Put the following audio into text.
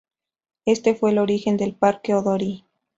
Este fue el origen del Parque Odori.